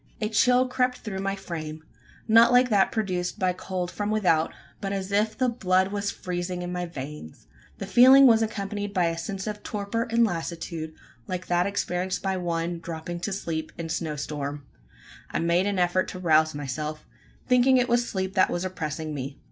A chill crept through my frame not like that produced by cold from without; but as if the blood was freezing in my veins! The feeling was accompanied by a sense of torpor and lassitude like that experienced by one dropping to sleep in a snow storm. I made an effort to rouse myself thinking it was sleep that was oppressing me.